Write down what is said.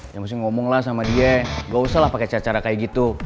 ya mesti ngomong lah sama dia gak usah lah pakai cara cara kayak gitu